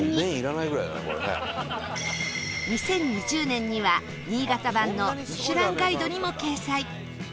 ２０２０年には新潟版の『ミシュランガイド』にも掲載